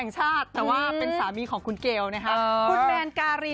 จะก็เป็นได้